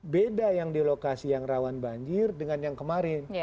beda yang di lokasi yang rawan banjir dengan yang kemarin